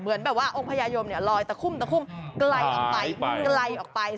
เหมือนแบบว่าองค์พญายมลอยตะคุมกลายออกไป